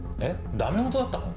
ダメ元だったの？